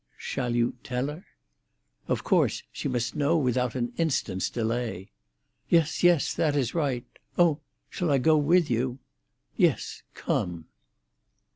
"Shall you—tell her?" "Of course. She must know without an instant's delay." "Yes, yes; that is right. Oh!—Shall I go with you?" "Yes; come!"